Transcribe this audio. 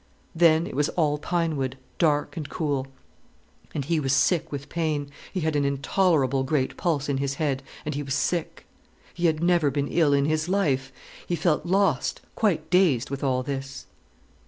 Then it was all pine wood, dark and cool. And he was sick with pain, he had an intolerable great pulse in his head, and he was sick. He had never been ill in his life, he felt lost, quite dazed with all this.